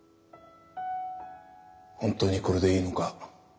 本当にこれでいいのか。